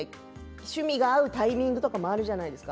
趣味が合うタイミングがあるじゃないですか。